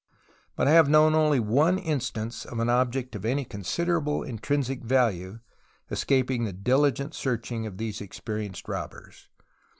But I have known only one instance of an object of any considerable intrinsic value escaping the diligent searching of these experienced robbers.